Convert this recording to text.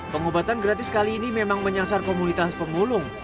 pengobatan gratis kali ini memang menyasar komunitas pemulung